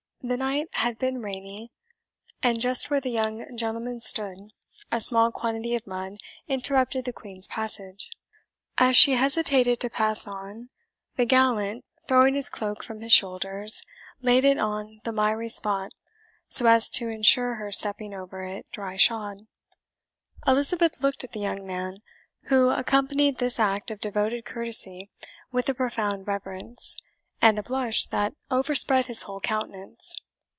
The night had been rainy, and just where the young gentleman stood a small quantity of mud interrupted the Queen's passage. As she hesitated to pass on, the gallant, throwing his cloak from his shoulders, laid it on the miry spot, so as to ensure her stepping over it dry shod. Elizabeth looked at the young man, who accompanied this act of devoted courtesy with a profound reverence, and a blush that overspread his whole countenance.